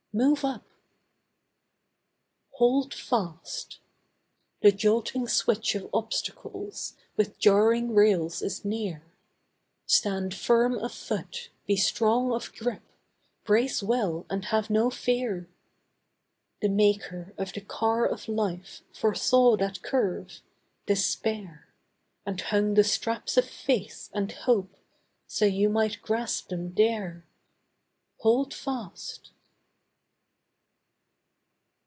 Move up! 'Hold fast!' The jolting switch of obstacles With jarring rails is near. Stand firm of foot, be strong of grip, Brace well and have no fear. The Maker of the Car of Life Foresaw that curve—Despair, And hung the straps of faith, and hope So you might grasp them there. Hold fast!